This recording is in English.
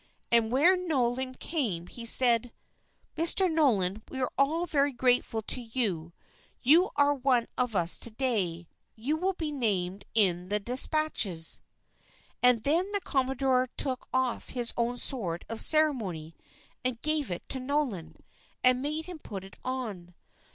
And when Nolan came, he said: "Mr. Nolan, we are all very grateful to you; you are one of us to day; you will be named in the despatches." And then the commodore took off his own sword of ceremony, and gave it to Nolan, and made him put it on.